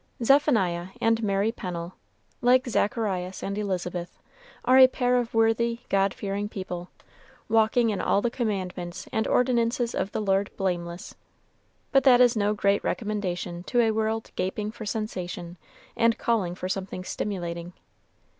Zephaniah and Mary Pennel, like Zacharias and Elizabeth, are a pair of worthy, God fearing people, walking in all the commandments and ordinances of the Lord blameless; but that is no great recommendation to a world gaping for sensation and calling for something stimulating.